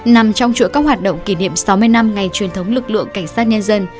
nằm trong chuỗi các hoạt động kỷ niệm sáu mươi năm ngày truyền thống lực lượng cảnh sát nhân dân